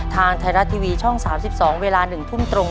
ทางไทยรัฐทีวีช่อง๓๒เวลา๑ทุ่มตรง